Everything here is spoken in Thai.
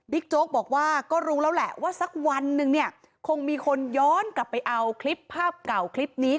โจ๊กบอกว่าก็รู้แล้วแหละว่าสักวันนึงเนี่ยคงมีคนย้อนกลับไปเอาคลิปภาพเก่าคลิปนี้